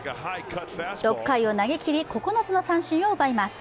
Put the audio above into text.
６回を投げきり、９つの三振を奪います。